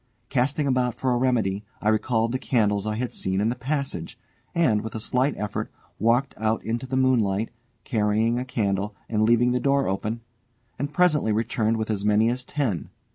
Casting about for a remedy, I recalled the candles I had seen in the passage, and, with a slight effort, walked out into the moonlight, carrying a candle and leaving the door open, and presently returned with as many as ten.